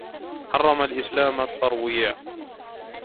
حرم الإسلام الترويع